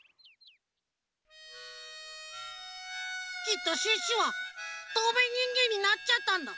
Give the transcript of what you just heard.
きっとシュッシュはとうめいにんげんになっちゃったんだ。